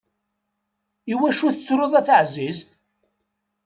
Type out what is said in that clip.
Iwacu tettruḍ a taεzizt?